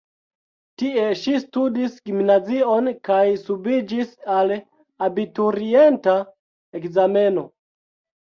Tie ŝi studis gimnazion kaj subiĝis al abiturienta ekzameno.